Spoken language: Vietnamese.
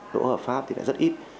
đỗ hợp pháp thì lại rất ít